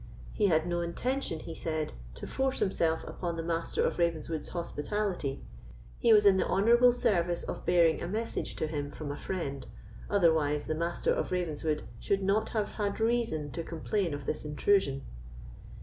"He had no intention," he said, "to force himself upon the Master of Ravenswood's hospitality; he was in the honourable service of bearing a message to him from a friend, otherwise the Master of Ravenswood should not have had reason to complain of this intrusion."